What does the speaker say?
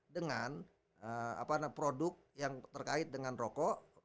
dengan produk yang terkait dengan rokok